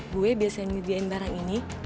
gue biasa ngediain barang ini